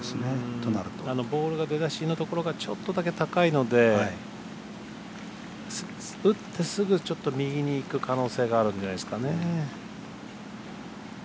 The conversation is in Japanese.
あのボールの出だしのところがちょっとだけ高いので打ってすぐちょっと右に行く可能性があるんじゃないですかね。